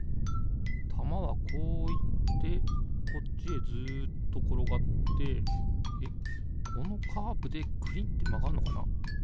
たまはこういってこっちへずっところがってえっこのカーブでくりってまがんのかな？